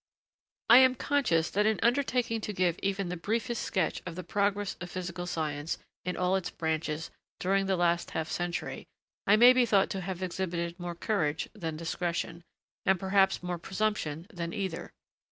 ] I am conscious that in undertaking to progress give even the briefest sketch of the progress of physical science, in all its branches, during the last half century, I may be thought to have exhibited more courage than discretion, and perhaps more presumption than either.